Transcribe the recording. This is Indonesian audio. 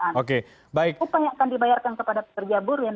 upah yang akan dibayarkan kepada pekerja buruh yang di atas upah minimum